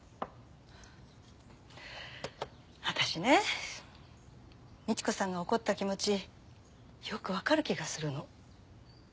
私ねみち子さんが怒った気持ちよくわかる気がするの。